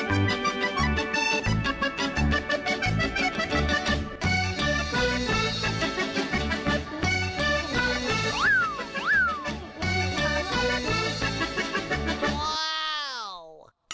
ว้าว